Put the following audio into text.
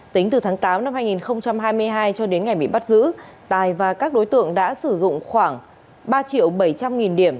tính từ tháng tám năm hai nghìn hai mươi hai cho đến ngày bị bắt giữ tài và các đối tượng đã sử dụng khoảng ba triệu bảy trăm linh nghìn điểm